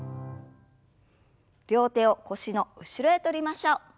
両手を腰の後ろへ取りましょう。